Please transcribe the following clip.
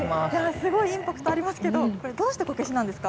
すごいインパクトありますけど、これ、どうしてこけしなんですか？